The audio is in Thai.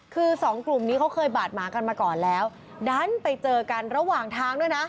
คือสองกลุ่มนี้เขาเคยบาดหมากันมาก่อนแล้วดันไปเจอกันระหว่างทางด้วยนะ